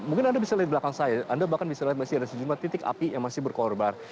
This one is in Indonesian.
mungkin anda bisa lihat di belakang saya anda bahkan bisa lihat masih ada sejumlah titik api yang masih berkorban